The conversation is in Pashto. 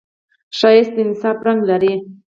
ښایست د انصاف رنګ لري